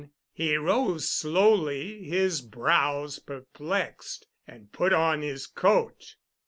He rose slowly, his brows perplexed, and put on his coat.